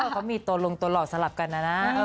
ก็มีตัวลงตัวหลอกสลับกันน่ะนะ